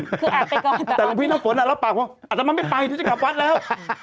คือแอบไปก่อนแต่หลวงพี่น้ำฝนรับปากว่าอัตมาไม่ไปเดี๋ยวจะกลับวัดแล้ว